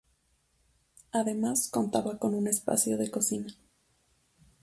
Además contaba con un espacio de cocina.